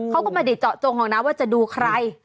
เขาก็มาเดี๋ยวเจาะจงห้องน้ำว่าจะดูใคร